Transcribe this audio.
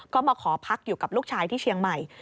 ก็มาขอพักอยู่กับลูกชายที่เชียงใหม่